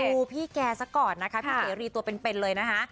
ดูพี่แกสักก่อนนะคะพี่เสรีตัวเป็นเลยนะคะ